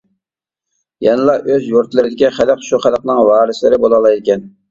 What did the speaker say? يەنىلا ئۆز يۇرتلىرىدىكى خەلق شۇ خەلقنىڭ ۋارىسلىرى بولالايدىكەن.